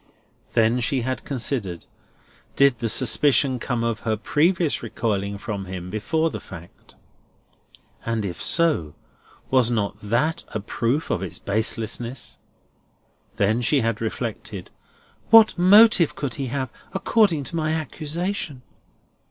Then she had considered, Did the suspicion come of her previous recoiling from him before the fact? And if so, was not that a proof of its baselessness? Then she had reflected, "What motive could he have, according to my accusation?"